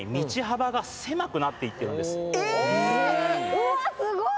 うわっすごい！